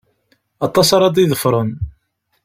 Aṭas ara d-iḍefṛen.